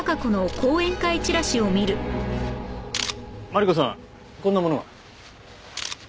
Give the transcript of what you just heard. マリコさんこんなものが。